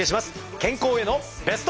健康へのベスト。